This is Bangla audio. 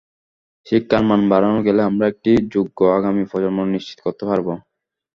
শিক্ষার মান বাড়ানো গেলে আমরা একটি যোগ্য আগামী প্রজন্ম নিশ্চিত করতে পারব।